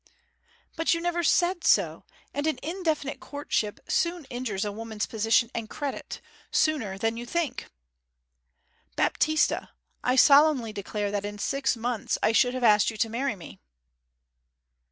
'But you never said so, and an indefinite courtship soon injures a woman's position and credit, sooner than you think.' 'Baptista, I solemnly declare that in six months I should have asked you to marry me.'